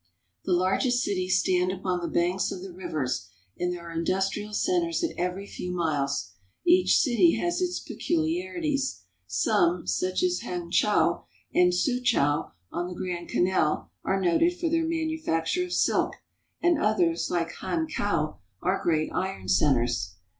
The largest cities stand upon the banks of the rivers, and there are industrial centers at every few miles. Each city has its peculiarities. Some, such as Hangchau and 52 CHINESE BOATS AND BOAT PEOPLE Suchau on the Grand Canal, are noted for their manu facture of silk, and others, like Hankau, are great iron centers.